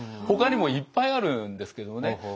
ほかにもいっぱいあるんですけどもね。